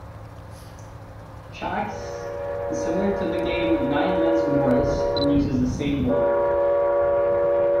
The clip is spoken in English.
Shax is similar to the game Nine Men's Morris and uses the same board.